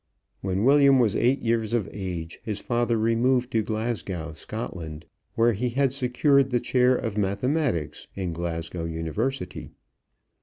When William was eight years of age his father removed to Glasgow, Scotland, where he had secured the chair of mathematics in Glasgow University.